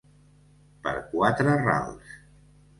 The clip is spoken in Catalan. Per quatre rals.